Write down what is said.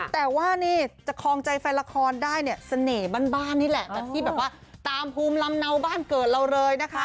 แต่ว่านี่จะคลองใจแฟนละครได้เนี่ยเสน่ห์บ้านนี่แหละแบบที่แบบว่าตามภูมิลำเนาบ้านเกิดเราเลยนะคะ